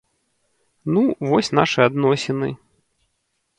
Ну, вось нашыя адносіны.